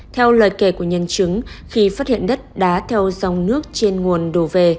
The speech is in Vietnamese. theo lời kể của nhân chứng khi phát hiện đất đá theo dòng nước trên nguồn đổ về